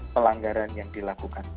pelanggaran yang dilakukan